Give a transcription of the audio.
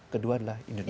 kedua adalah indonesia